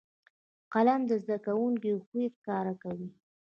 قلم د زده کوونکو خوی ښکاره کوي